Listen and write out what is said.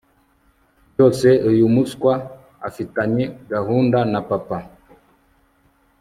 byose uyu muswa afitanye gahunda na papa